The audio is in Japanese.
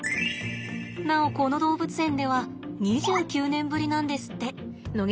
なおこの動物園では２９年ぶりなんですって。